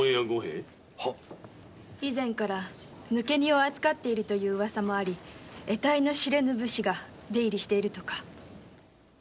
以前から抜け荷を扱っているというウワサもありえたいの知れぬ武士が出入りしているとか。